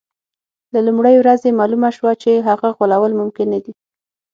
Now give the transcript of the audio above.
له لومړۍ ورځې معلومه شوه چې هغه غولول ممکن نه دي.